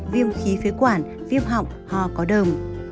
viêm khí phế quản viêm họng họ có đồng